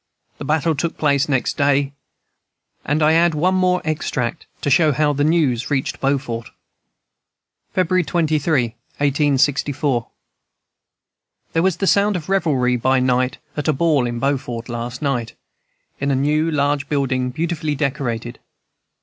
The battle took place next day, and I add one more extract to show how the news reached Beaufort. "February 23, 1864. "There was the sound of revelry by night at a ball in Beaufort last night, in a new large building beautifully decorated.